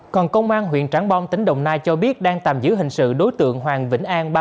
còn công an huyện trảng bom tỉnh đồng nai cho biết đang tạm giữ hình sự đối tượng hoàng vĩnh an